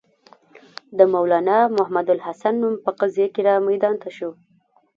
د مولنا محمودالحسن نوم په قضیه کې را میدان ته شو.